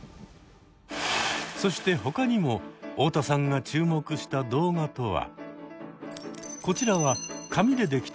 そしてほかにも太田さんが注目した動画とは。